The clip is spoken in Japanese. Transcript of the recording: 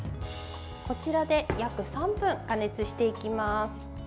こちらで約３分加熱していきます。